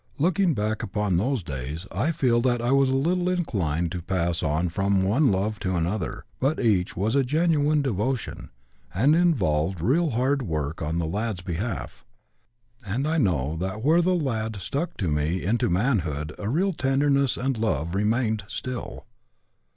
Looking back upon those days, I feel that I was a little inclined to pass on from one love to another, but each was a genuine devotion, and involved real hard work on the lad's behalf. And I know that where the lad stuck to me into manhood a real tenderness and love remain still.